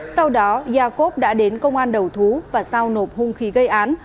sau đó iacob đã đến công an đầu thú và sau nộp hung khí gây án